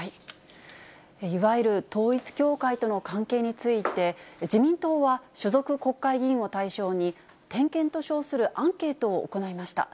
いわゆる統一教会との関係について、自民党は所属国会議員を対象に、点検と称するアンケートを行いました。